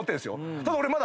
ただ俺まだ。